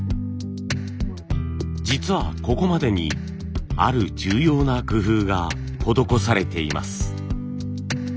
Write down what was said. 実はここまでにある重要な工夫が施されています。